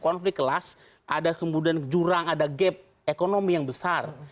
konflik kelas ada kemudian jurang ada gap ekonomi yang besar